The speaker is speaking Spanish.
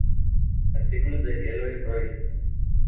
Artículos de Eloy Roy